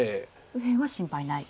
右辺は心配ない。